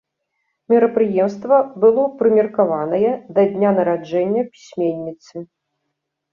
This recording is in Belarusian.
Мерапрыемства было прымеркаванае да дня нараджэння пісьменніцы.